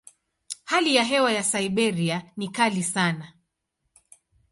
Hali ya hewa ya Siberia ni kali sana.